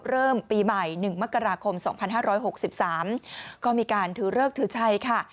เริ่มปีใหม่๑มกราคม๒๕๖๓ก็มีการถือเลิกถือชัยค่ะ